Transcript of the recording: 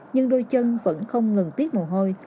nhưng đôi chân vẫn không ngừng tiếc mồ hôi